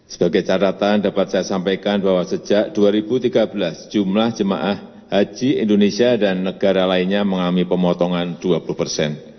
sebagai catatan dapat saya sampaikan bahwa sejak dua ribu tiga belas jumlah jemaah haji indonesia dan negara lainnya mengalami pemotongan dua puluh persen